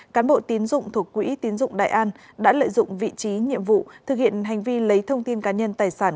cán bộ tiến dụng thuộc quỹ tiến dụng đại an đã lợi dụng vị trí nhiệm vụ thực hiện hành vi lấy thông tin cá nhân tài sản